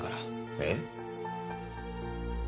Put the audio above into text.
えっ？